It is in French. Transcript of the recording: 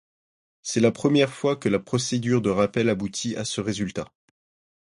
C'est la première fois que la procédure de rappel aboutit à ce résultat.